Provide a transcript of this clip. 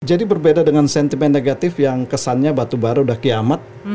jadi berbeda dengan sentimen negatif yang kesannya batubara udah kiamat